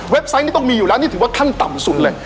ไซต์นี่ต้องมีอยู่แล้วนี่ถือว่าขั้นต่ำสุดเลย